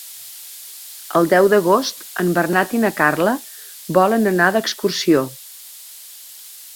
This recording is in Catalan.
El deu d'agost en Bernat i na Carla volen anar d'excursió.